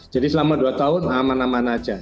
jadi selama dua tahun aman aman saja